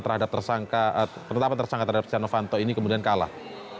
penetapan tersangka terhadap tjano fanto ini kemudian kalah